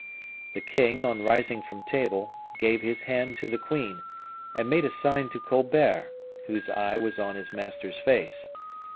The king, on rising from table, gave his hand to the queen, and made a sign to Colbert, whose eye was on his master's face.